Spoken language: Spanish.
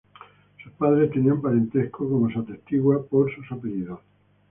Sus padres tenían parentesco, como se atestigua por sus apellidos.